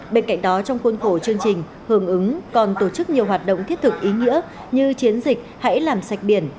bên cạnh đó trong khuôn khổ chương trình hưởng ứng còn tổ chức nhiều hoạt động thiết thực ý nghĩa như chiến dịch hãy làm sạch biển